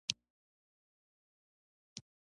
د لوړو زده کړو لپاره د بیت لحم پوهنتون هم لري.